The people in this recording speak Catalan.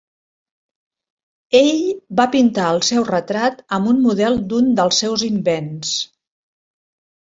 Ell va pintar el seu retrat amb un model d'un dels seus invents.